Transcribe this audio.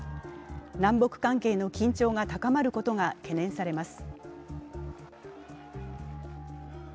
南北関係の緊張が高まることが懸念されます。